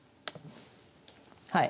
はい。